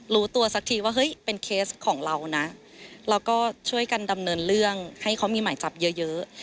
รู้ตัวสักทีว่าเฮ้ยเป็นเคสของเรานะเราก็ช่วยกันดำเนินเรื่องให้เขามีหมายจับเยอะ